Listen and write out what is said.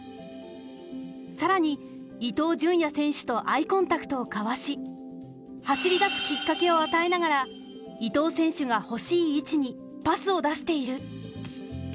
更に伊東純也選手とアイコンタクトを交わし走り出すきっかけを与えながら伊東選手が欲しい位置にパスを出している。